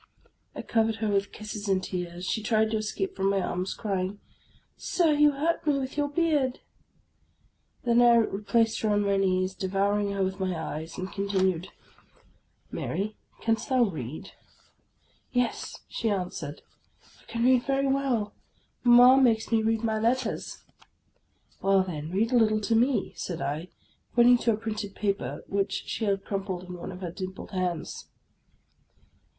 I covered her with kisses and tears. She tried to escape from my arms, crying, —" Sir, you hurt me with your beard." Then I replaced her on my knees, devouring her with my eyes, and continued, —" Mary, canst thou read? "" Yes," she answered, " I can read very well. Mamma makes me read my letters." " Well, then, read a little to me," said I, pointing to a printed paper which she held crumpled in one of her dimpled hands.